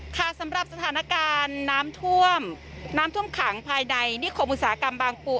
ค่ะสำหรับสถานการณ์น้ำท่วมน้ำท่วมขังภายในนิคมอุตสาหกรรมบางปู